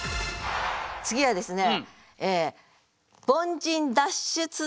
次はですね